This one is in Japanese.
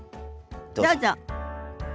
どうぞ。